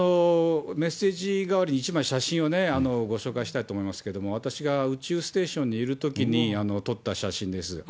メッセージ代わりに一枚、写真をご紹介したいと思いますけれども、私が宇宙ステーションにいるときに撮った写真です。